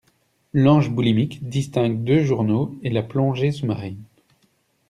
L'ange boulimique distingue deux journaux et la plongée sous-marine.